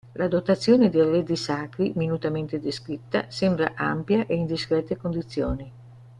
La dotazione di arredi sacri, minutamente descritta, sembra ampia e in discrete condizioni.